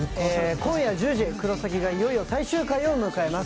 今夜１０時、「クロサギ」がいよいよ最終回を迎えます。